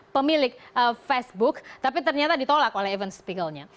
pemilik facebook tapi ternyata ditolak oleh evan spiegel nya